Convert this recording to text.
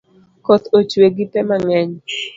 Koth ochue gi pe mang’eny